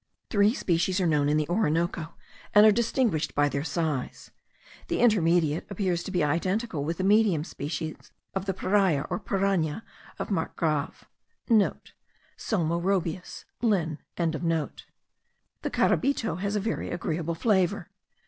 Three species are known in the Orinoco, and are distinguished by their size. The intermediate appears to be identical with the medium species of the piraya, or piranha, of Marcgrav.* (* Salmo rhombeus, Linn.) The caribito has a very agreeable flavour.